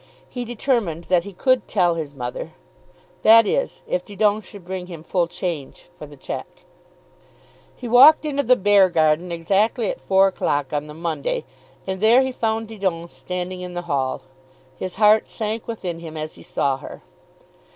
He determined that he would tell his mother; that is, if Didon should bring him full change for the cheque. He walked into the Beargarden exactly at four o'clock on the Monday, and there he found Didon standing in the hall. His heart sank within him as he saw her.